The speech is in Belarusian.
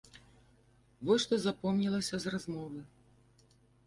Вось што запомнілася з размовы.